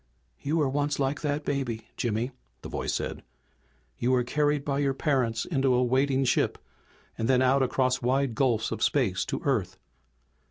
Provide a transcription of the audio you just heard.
"You were once like that baby, Jimmy!" the voice said. "You were carried by your parents into a waiting ship, and then out across wide gulfs of space to Earth.